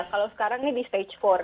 kalau sekarang ini di stage empat